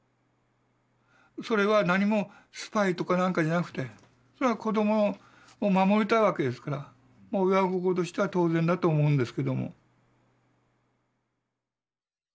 それはなにもスパイとかなんかじゃなくてそれは子どもを守りたいわけですからもう親心としては当然だと思うんですけども。